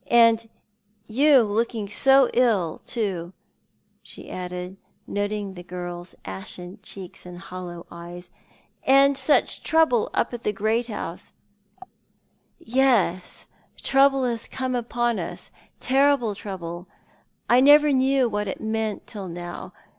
And you looking so ill, too," she added, noting " Wkal Love zvas as Deep as a Grave f " 165 the girl's aslien cheeks and hollow eyes, " and such trouble up at the great house." " Yes, trouble has come upon us — terrible trouble. I never knew what it meant till now.